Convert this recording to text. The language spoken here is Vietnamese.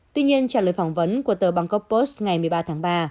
tuy nhiên trả lời phỏng vấn của tờ bangkok post ngày một mươi ba tháng ba